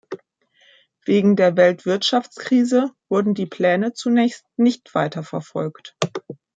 Wegen der Weltwirtschaftskrise wurden die Pläne zunächst nicht weiter verfolgt.